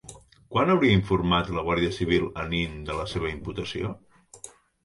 Quan hauria informat la Guàrdia Civil a Nin de la seva imputació?